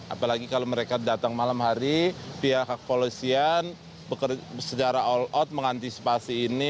apalagi kalau mereka datang malam hari pihak polisian secara all out mengantisipasi ini